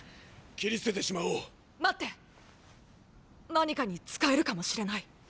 何かに使えるかもしれない。